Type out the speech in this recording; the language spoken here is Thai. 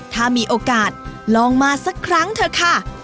ถ้ามีโอกาสลองมาสักครั้งเถอะค่ะ